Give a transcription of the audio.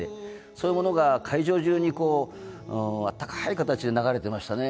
そういうものが会場中にこうあったかい形で流れてましたね。